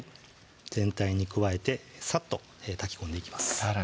全体に加えてさっと炊き込んでいきます